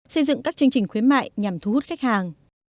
xây dựng các chương trình khuyến mại nhằm thu hút khách hàng